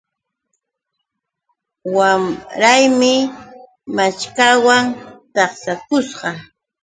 Wamraymi maćhkawan tansharusqa